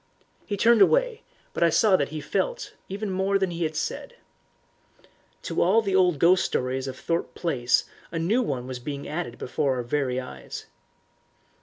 He turned away, but I saw that he felt even more than he had said. To all the old ghost stories of Thorpe Place a new one was being added before our very eyes.